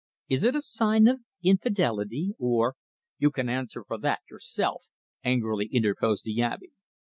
Is it a sign of infidelity, or " "You can answer for that yourself," angrily interposed the Abbe.